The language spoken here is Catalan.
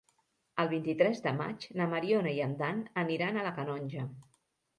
El vint-i-tres de maig na Mariona i en Dan aniran a la Canonja.